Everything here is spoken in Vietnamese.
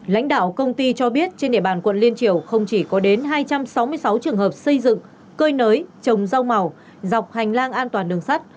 lãnh đạo công ty cho biết trên địa bàn quận liên triều không chỉ có đến hai trăm sáu mươi sáu trường hợp xây dựng cơi nới trồng rau màu dọc hành lang an toàn đường sắt